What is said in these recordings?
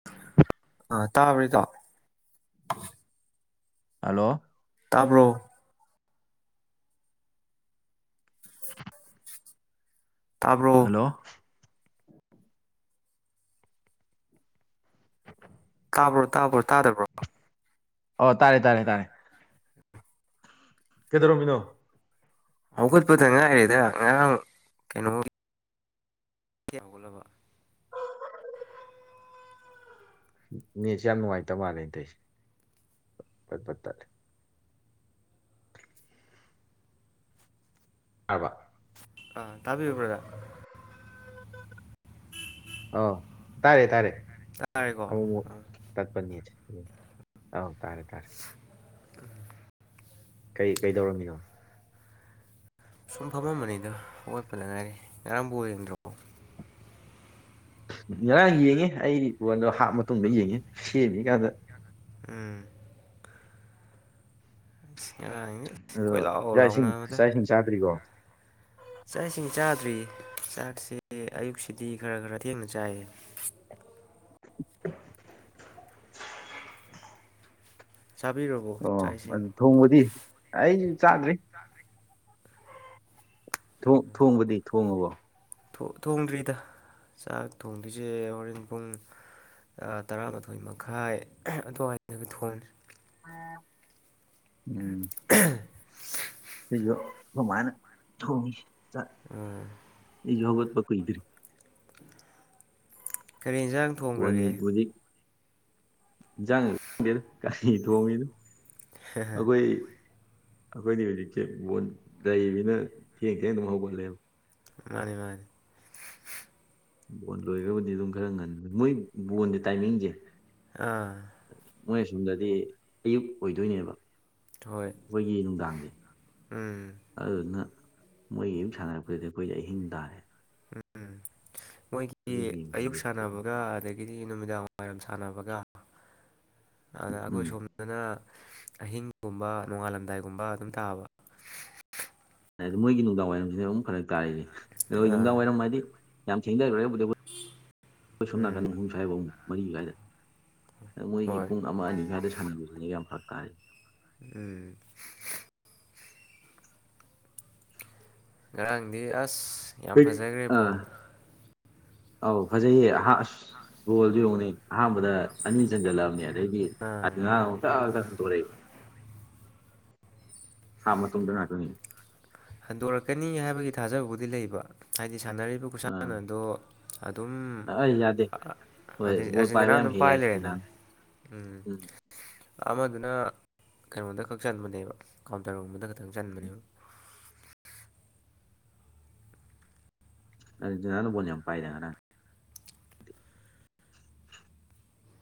[inaudible] ꯑ ꯇꯥꯔꯕꯣ ꯢꯇꯥꯎ ꯍꯜꯂꯣ ꯇꯥꯕ꯭ꯔꯣ ꯇꯥꯕꯔꯣ ꯍꯜꯂꯣ ꯇꯥꯕ꯭ꯔꯣ ꯇꯥ꯭ꯕꯔꯣ ꯇꯥꯗꯕ꯭ꯔꯣ ꯑꯣ ꯇꯥꯔꯦ ꯇꯥꯔ ꯇꯥꯔꯦ ꯀꯩꯗꯧꯔꯝꯃꯤꯅꯣ ꯍꯧꯒꯠꯄꯗ ꯉꯥꯏꯔꯦꯗ ꯉꯔꯥꯡ ꯀꯩꯅꯣ ꯀ ꯌꯥꯝꯒꯨꯠꯂꯕ [inaudible] ꯅꯦꯠꯁꯦ ꯌꯥꯝ ꯅꯨꯡꯉꯥꯏꯇꯕ ꯃꯥꯜꯂꯦ ꯑꯇꯩꯁꯦ ꯐꯠ ꯐꯠ ꯇꯠꯂꯦ ꯇꯥꯔꯕꯥ ꯑꯥ ꯇꯥꯕꯤꯕ꯭ꯔꯥ ꯕꯥꯔꯗꯥꯔ ꯑ ꯇꯥꯔꯦ ꯇꯥꯔꯦ ꯇꯥꯔꯦꯀꯣ ꯑꯃꯃꯨꯛ ꯑꯥ ꯇꯠꯄꯅꯤ ꯑꯥꯎ ꯇꯥꯔꯦ ꯇꯥꯔꯦ ꯎ [unintelligible] ꯀꯩ ꯀꯩꯗꯧꯔꯝꯃꯤꯅꯣ ꯁꯨꯝ ꯐꯝꯃꯝꯕꯅꯤꯗ ꯍꯧꯒꯠꯄꯗ ꯉꯥꯏꯔꯤ ꯉꯔꯥꯡ ꯕꯣꯜ ꯌꯦꯡꯗ꯭ꯔꯥꯕꯣ ꯉꯔꯥꯡ ꯌꯦꯡꯉꯤ ꯑꯩꯗꯤ ꯄꯣꯟꯗꯣ ꯍꯥꯞꯄ ꯃꯇꯨꯡꯗ ꯌꯦꯡꯉꯤ ꯁꯦꯝꯃꯤ ꯀꯥꯟꯗ ꯎꯝ ꯁꯤ ꯉꯔꯥꯡꯗꯤ ꯀꯣꯏ ꯂꯥꯎ ꯂꯥꯎꯅꯕꯗ ꯆꯥꯗ꯭ꯔꯤꯒꯣ ꯆꯥꯛ ꯏꯁꯤꯡ ꯆꯥꯗ꯭ꯔꯤ ꯆꯥꯛꯁꯦ ꯑꯌꯨꯛꯁꯤꯗꯤ ꯈꯔ ꯈꯔ ꯊꯦꯡꯅ ꯆꯥꯏꯌꯦ [inaudible] ꯆꯕꯤꯔꯕꯣ ꯑꯣ ꯑꯗꯨ ꯊꯣꯡꯕꯗꯤ ꯑꯩꯁꯨ ꯆꯥꯗ꯭ꯔꯤ ꯆꯗꯔꯤ ꯊꯣꯡꯕꯗꯤ ꯊꯣꯡꯉꯕꯣ ꯊꯣꯡꯗ꯭ꯔꯤꯗ ꯆꯥꯛ ꯊꯣꯡꯗꯣꯏꯁꯦ ꯍꯣꯔꯦꯟ ꯄꯨꯡ ꯇꯔꯥꯃꯥꯊꯣꯏ ꯃꯈꯥꯏ ꯑꯗꯨꯋꯥꯏꯗꯒ ꯊꯣꯡꯅꯤ ꯑ [inaudible] ꯁꯤꯁꯨ ꯑꯗꯨꯃꯥꯏꯅ ꯊꯣꯡꯉ [inaudible] ꯎꯝ ꯏ ꯍꯒꯠꯕ ꯀꯣꯏꯗ꯭ꯔꯤ ꯀꯔꯤ ꯏꯟꯁꯥꯡ ꯕꯣꯟ ꯍꯧꯖꯤꯛ ꯏꯟꯁꯥꯡ ꯈꯪꯗꯦꯗ ꯀꯔꯤ ꯊꯣꯡꯉꯤꯅ ꯑꯩꯈꯣꯏ ꯑꯩꯈꯣꯏꯗꯤ ꯍꯧꯖꯤꯛꯁꯦ ꯕ ꯂꯩꯕꯅ ꯊꯦꯡ ꯊꯦꯡ ꯑꯗꯨꯝ ꯍꯧꯒꯠꯂꯦꯕ ꯃꯥꯅꯤ ꯃꯥꯅꯤ ꯕꯣꯟ ꯂꯣꯏꯔꯕꯨꯗꯤ ꯑꯗꯨꯝ ꯈꯔ ꯉꯟꯕ ꯃꯣꯏ ꯕꯣꯟꯁꯦ ꯇꯥꯏꯃꯤꯡꯁꯦ ꯑꯥ ꯃꯣꯏ ꯑꯁꯣꯝꯗꯗꯤ ꯑꯌꯨꯛ ꯑꯣꯏꯗꯣꯏꯅꯦꯕ ꯍꯣꯏ ꯑꯩꯈꯣꯏꯒꯤ ꯅꯨꯡꯗꯥꯡꯁꯦ ꯎꯝ ꯑꯗꯨꯗꯨꯅ ꯃꯣꯏꯒꯤ ꯌꯨꯝ ꯁꯥꯟꯅꯔꯛꯄꯗꯨꯗꯤ ꯑꯩꯈꯣꯏꯁ ꯑꯍꯤꯡ ꯇꯥꯔꯦ ꯎꯝ ꯃꯣꯏꯒꯤ ꯑꯗꯨ ꯑꯌꯨꯛ ꯌꯦꯡꯕꯗꯗꯤ ꯁꯥꯟꯅꯕꯒ ꯑꯗꯒꯤ ꯒꯤꯗꯤ ꯅꯨꯃꯤꯗꯥꯡ ꯋꯥꯏꯔꯝ ꯁꯥꯟꯅꯕꯒ ꯑꯗ ꯎꯝ ꯑꯩꯈꯣꯏ ꯁꯣꯝꯗ ꯑꯗꯨꯅ ꯑꯍꯤꯡꯒꯨꯝꯕ ꯅꯣꯡꯉꯥꯜꯂꯝꯗꯥꯏꯒꯨꯝꯕ ꯑꯗꯨꯝ ꯇꯥꯕ ꯍꯥꯏꯗꯤ ꯃꯣꯏꯒꯤ ꯅꯨꯡꯗꯥꯡ ꯋꯥꯏꯔꯝꯁꯤꯅ ꯑꯃꯛ ꯐꯔꯛ ꯇꯥꯔꯏꯅꯦ ꯑ ꯑꯥ ꯅꯨꯡꯗꯥꯡ ꯋꯥꯏꯔꯝ ꯍꯥꯏꯗꯤ ꯌꯥꯝ ꯊꯦꯡꯅꯔꯛꯕꯨꯗꯤ ꯑꯩꯈꯣꯏ ꯁꯣꯝ ꯅꯥꯀꯟꯗ ꯎꯝ ꯍꯨꯝ ꯁ ꯍꯥꯏꯐꯧ ꯃꯔꯤ ꯀꯥꯏꯔꯦ ꯃꯣꯏꯒꯤ ꯍꯣꯏ ꯄꯨꯡ ꯑꯃ ꯑꯅꯤ ꯈꯏꯗ ꯁꯥꯟꯅꯕꯅꯕꯁꯤꯅ ꯌꯥꯝ ꯐꯔꯛ ꯇꯥꯔꯦ ꯎꯝ ꯉꯔꯥꯡꯗꯤ ꯑꯁ ꯌꯥꯝ ꯐꯖꯈ꯭ꯔꯦꯕꯣ ꯑꯥ ꯑꯧ ꯐꯖꯩꯌꯦ ꯑ ꯑꯁ ꯒꯣꯜꯗꯨ ꯌꯦꯡꯅꯦ ꯑꯍꯥꯟꯕꯗ ꯑꯅꯤ ꯆꯟꯖꯜꯂꯛꯑꯕꯅꯦ ꯑꯗꯤ ꯑꯥ ꯑꯗꯨ ꯑꯗꯨ ꯇꯧꯔꯦ ꯍꯥꯞ ꯃꯇꯨꯡꯗ ꯉꯥꯛꯇꯪ ꯍꯟꯗꯣꯔꯛꯀꯅꯤ ꯍꯥꯏꯕꯒꯤ ꯊꯥꯖꯕꯕꯨꯗꯤ ꯂꯩꯕ ꯍꯥꯏꯗꯤ ꯁꯥꯟꯅꯔꯤꯕ ꯑꯥ ꯈꯨꯁꯥꯟꯅ ꯑꯗꯣ ꯑꯗꯨꯝ ꯑꯩ ꯌꯥꯗꯦ ꯍꯣꯏ ꯕꯣꯜ ꯄꯥꯏꯕ ꯑꯔꯖꯦꯟꯇꯤꯅꯥꯅ ꯌꯥꯝ ꯑꯗꯨꯝ ꯍꯦꯜꯂꯦ ꯄꯥꯏ ꯂꯩꯔꯦꯅ ꯑꯥꯔꯖꯦꯟꯇꯤꯅꯥꯅ ꯎꯝ ꯑꯃꯗꯨꯅ ꯀꯩꯅꯣꯗ ꯈꯛ ꯆꯟꯕꯅꯦꯕ ꯀꯥꯎꯟꯇꯔꯒꯨꯝꯕꯗ ꯈꯛꯇꯪ ꯆꯟꯕꯅꯦꯕ ꯑꯥꯔꯖꯦꯟꯇꯤꯅꯥꯅ ꯕꯣꯜ ꯌꯥꯝ ꯄꯥꯏꯗ ꯉꯔꯥꯡ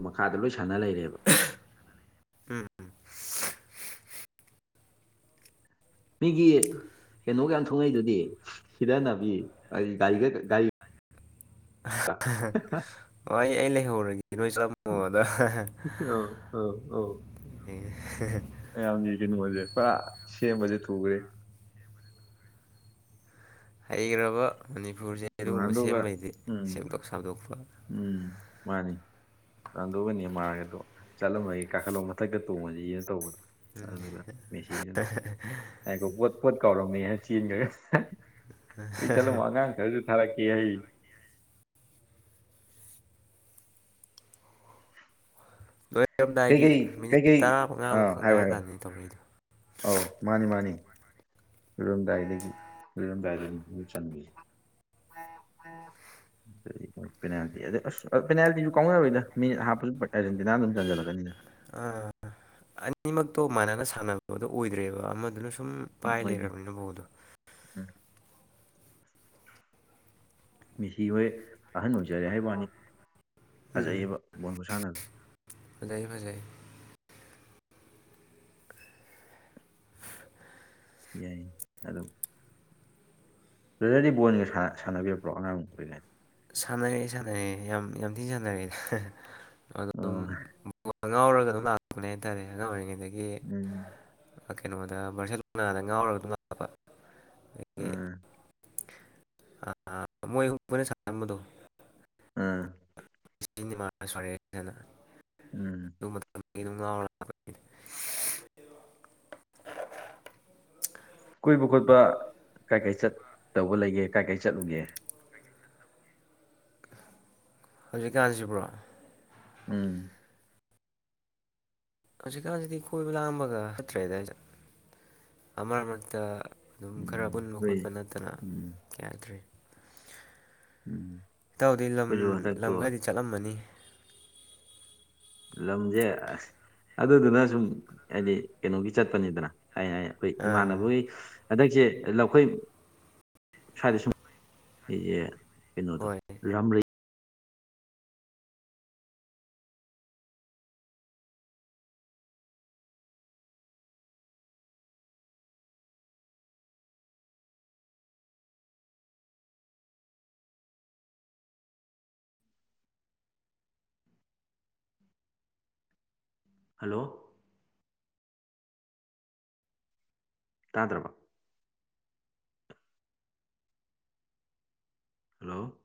ꯃꯈꯥꯗ ꯂꯣꯏ ꯁꯥꯟꯅ ꯂꯩꯔꯦꯕ ꯎꯝ ꯃꯤꯒꯤ ꯀꯩꯅꯣꯒ ꯌꯥꯝ ꯊꯨꯡꯉꯛꯏꯗꯨꯗꯤ ꯁꯤꯗꯅꯕꯤ ꯑꯩ ꯒꯥꯔꯤꯒ ꯒꯥꯔꯤ [inaudible] ꯍꯣ ꯑꯩ ꯂꯩꯍꯧꯔꯒꯦ ꯅꯣꯏ ꯆ ꯑꯧ ꯑꯧ ꯑꯧ [unintelligible] ꯃꯌꯥꯝꯒꯤ ꯀꯩꯅꯣꯁꯦ ꯄꯨꯔꯥ ꯁꯦꯝꯕꯁꯦ ꯊꯨꯈ꯭ꯔꯦ ꯍꯩꯈ꯭ꯔꯕ ꯃꯅꯤꯄꯨꯔꯁꯦ ꯑꯗꯨꯒꯨꯝꯕ ꯔꯣꯅꯥꯜꯗꯣꯒ ꯁꯦꯝꯕꯩꯗꯤ ꯎꯝ ꯁꯦꯝꯗꯣꯛ ꯁꯥꯗꯣꯛꯄ ꯎꯝ ꯃꯥꯅꯤ ꯔꯣꯅꯥꯜꯗꯣꯒ ꯅꯦꯃꯥꯔꯒꯗꯣ ꯆꯠꯂꯝꯃꯒꯦ ꯀꯥꯈꯠꯂꯣ ꯃꯊꯛꯇ ꯇꯣꯡꯉꯁꯤꯅ ꯇꯧꯕꯗꯣ ꯎꯝ ꯑꯗꯨꯗ ꯃꯦꯁꯤꯅ ꯍꯥꯏꯀꯣ ꯄꯣꯠ ꯄꯣꯠ ꯀꯥꯎꯔꯝꯃꯦ ꯍꯥꯏꯔ ꯆꯦꯟꯈ꯭ꯔꯒ ꯂꯣꯏ ꯆꯠꯂꯝꯃꯣ ꯑꯉꯥꯡ ꯈꯔꯁꯨ ꯊꯥꯔꯛꯀꯦ ꯍꯥꯏꯔꯤ ꯂꯣꯏꯔꯝꯗꯥꯏꯒꯤ ꯀꯩꯀꯩ ꯃꯤꯅꯤꯠ ꯀꯩꯀꯩ ꯑꯥ ꯇꯔꯥꯃꯉꯥꯃꯨꯛꯈꯛ ꯍꯥꯏꯌꯣ ꯍꯥꯏꯌꯣ ꯉꯥꯏꯔꯀꯥꯟꯗꯅꯤ ꯇꯧꯔꯛꯏꯗꯣ ꯑꯧ ꯃꯥꯅꯤ ꯃꯥꯅꯤ [inaudible] [unintelligible] ꯄꯦꯅꯥꯜꯇꯤꯗꯤ ꯑꯁ ꯄꯦꯅꯥꯜꯇꯤꯁꯨ ꯀꯥꯎꯅꯔꯣꯏꯗ ꯃꯤꯅꯤꯠ ꯍꯥꯞꯄꯁꯨ ꯑꯔꯖꯦꯟꯇꯤꯅꯥꯅ ꯑꯗꯨꯝ ꯆꯟꯖꯜꯂꯛꯀꯅꯤꯅ ꯑꯅꯤꯃꯛꯇꯣ ꯃꯥꯟꯅꯅ ꯁꯥꯟꯅꯕꯗꯣ ꯑꯣꯏꯗ꯭ꯔꯦꯕ ꯑꯃꯗꯨꯅ ꯁꯨꯝ ꯎꯝ ꯄꯥꯏ ꯑꯣꯏꯗꯦ ꯂꯩꯔꯕꯅꯤꯅ ꯕꯣꯜꯗꯣ ꯎꯝ ꯃꯤꯁꯤ ꯍꯣꯏ ꯑꯍꯟ ꯑꯣꯏꯖꯔꯦ ꯍꯥꯏ ꯋꯥꯅꯤ ꯎꯝ ꯐꯖꯩꯌꯦꯕ ꯕꯣꯜ ꯈꯨꯁꯥꯟꯅ ꯐꯖꯩ ꯐꯖꯩ ꯌꯥꯏ ꯑꯗꯨꯝ ꯕ꯭ꯔꯥꯗꯔꯗꯤ ꯕꯣꯜꯒ ꯁꯥꯟꯅꯕꯤꯔꯛꯄ꯭ꯔꯣ ꯑꯉꯥꯡ ꯑꯣꯏꯔꯤꯉꯩꯗ ꯁꯥꯟꯅꯔꯛꯑꯦ ꯁꯥꯟꯅꯔꯛꯑꯦ ꯌꯥꯝ ꯌꯥꯝ ꯊꯤꯅ ꯁꯥꯟꯅꯔꯛꯑꯦꯗ ꯑꯗꯨꯝ ꯑꯣ ꯉꯥꯎꯔꯒ ꯑꯗꯨꯝ ꯂꯥꯛꯄꯅꯦ ꯍꯥꯏꯇꯥꯔꯦ ꯑꯉꯥꯡ ꯑꯣꯏꯔꯤꯉꯩꯗꯒꯤ ꯎꯝ ꯀꯩꯅꯣꯗ ꯕꯥꯔꯁꯦꯂꯣꯅꯥꯗ ꯉꯥꯎꯔꯒ ꯂꯥꯛꯄ ꯑꯗꯒꯤ ꯎꯝ [inaudible] ꯎꯝ [unintelligible] ꯎꯝ ꯑꯗꯨ ꯃꯇꯝ [unintelligible] ꯀꯣꯏꯕ ꯈꯣꯠꯄ ꯀꯥꯏ ꯀꯥꯏ ꯆꯠꯇꯧꯕ ꯂꯩꯒꯦ ꯀꯥꯏ ꯀꯥꯢ ꯆꯠꯂꯨꯒꯦ ꯍꯧꯖꯤꯛꯀꯥꯟꯁꯤꯕ꯭ꯔꯣ ꯎꯝ ꯍꯧꯖꯤꯛꯀꯥꯟꯖꯤꯗꯤ ꯀꯣꯏꯕ ꯂꯥꯡꯕꯒ ꯆꯠꯇ꯭ꯔꯦꯗ [unintelligible] ꯑ ꯃꯔꯛ ꯃꯔꯛꯇ ꯑꯗꯨꯝ ꯈꯔ ꯎꯝ ꯄꯨꯟꯕ ꯍꯣꯏ ꯈꯣꯠꯄ ꯅꯠꯇꯅ ꯎꯝ ꯌꯥꯗ꯭ꯔꯤ ꯎꯝ ꯏꯇꯥꯎꯗꯤ ꯂꯝ ꯑꯩꯈꯣꯏꯁꯨ ꯍꯟꯗꯛꯇꯣ ꯂꯝ ꯈꯔꯗꯤ ꯆꯠꯂꯝꯃꯅꯤ ꯂꯝꯖꯦ ꯑꯁ ꯑꯗꯨꯗꯨꯅ ꯁꯨꯝ ꯍꯥꯏꯗꯤ ꯀꯩꯅꯣꯒꯤ ꯆꯠꯄꯅꯤꯗꯅ ꯑꯩꯅ ꯍꯥꯏ [unintelligible] ꯑꯥ ꯏꯃꯥꯟꯅꯕꯒꯤ ꯍꯟꯗꯛꯁꯦ ꯂꯧꯈꯣꯏ ꯁ꯭ꯋꯥꯏꯗ ꯁꯨꯝ ꯑ [unintelligible] ꯀꯩꯅꯣꯗꯣ ꯍꯣꯏ ꯔꯝꯔꯤ ꯍꯜꯂꯣ ꯇꯥꯗ꯭ꯔꯕ ꯍꯜꯂꯣ